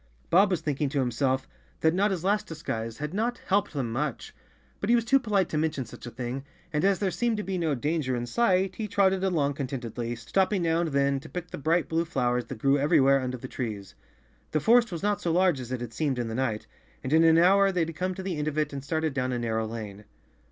Bob was thinking to himself that Notta's last dis¬ guise had not helped them much, but he was too polite to mention such a thing, and as there seemed to be no danger in sight he trotted along contentedly, stopping now and then to pick the bright blue flowers that grew everywhere under the trees. The forest was not so large as it had seemed in the night, and in an hour they had come to the end of it and started down a narrow lane.